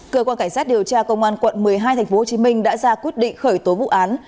cơ quan cảnh sát điều tra công an quận một mươi hai tp hcm đã ra quyết định khởi tố vụ án